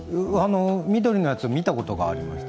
緑のやつ、見たことがあります。